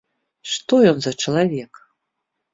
Што ён за чалавек?